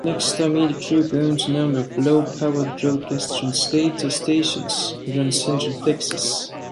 Nexstar Media Group owns a number of low-powered broadcast translator stations around Central Texas.